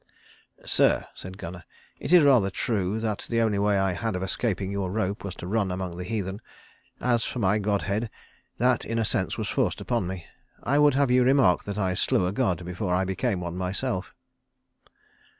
"Sir," said Gunnar, "it is rather true that the only way I had of escaping your rope was to run among the heathen. As for my godhead, that in a sense was forced upon me. I would have you remark that I slew a god before I became one myself."